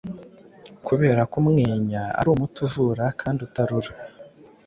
kubera ko umwenya ari umuti uvura kandi utarura,